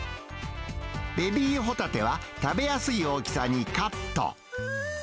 ベビーホタテは、食べやすい大きさにカット。